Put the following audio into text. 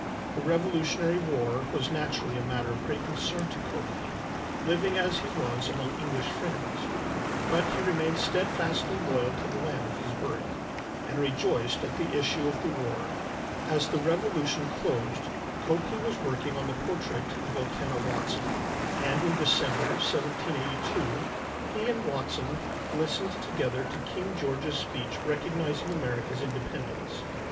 The Revolutionary War was naturally a matter of great concern to Copley, living as he was among English friends; but he remained steadfastly loyal to the land of his birth, and rejoiced at the issue of the war. As the Revolution closed Copley was working on the portrait of Elkanah Watson, and in December, 1782, he and Watson listened together to King George's speech recognizing America's independence.